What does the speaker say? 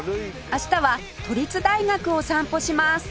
明日は都立大学を散歩します